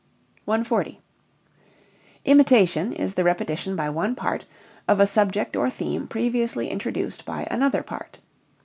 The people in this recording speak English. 140. Imitation is the repetition by one part, of a subject or theme previously introduced by another part.